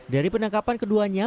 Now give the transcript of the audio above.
dari penangkapan keduanya